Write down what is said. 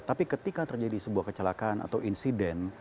tapi ketika terjadi sebuah kecelakaan atau insiden